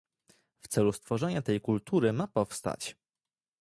W celu stworzenia tej kultury ma powstać